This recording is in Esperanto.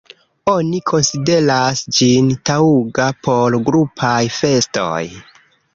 Oni konsideras ĝin taŭga por grupaj festoj.